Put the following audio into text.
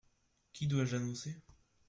Qui dois-je annoncer ?